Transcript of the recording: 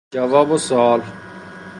جواب و سؤال